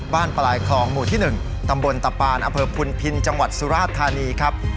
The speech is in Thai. บ้านปลายคลองหมู่ที่๑ตำบลตะปานอำเภอพุนพินจังหวัดสุราชธานีครับ